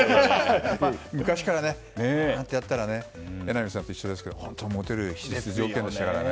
昔から、ギターと言ったら榎並さんと一緒ですがモテる必須条件でしたからね。